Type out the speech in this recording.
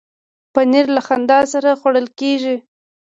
پنېر له خندا سره خوړل کېږي.